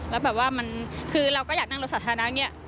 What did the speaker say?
และแบบว่ามันคือเราก็อยากนั่งรถสาธารณะเนี่ย